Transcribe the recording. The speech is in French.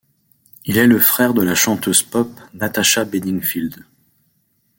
Il est le frère de la chanteuse pop Natasha Bedingfield.